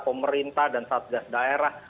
pemerintah dan satgas daerah